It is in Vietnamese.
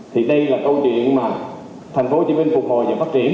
thì đây là câu chuyện mà thành phố hồ chí minh phục hồi và phát triển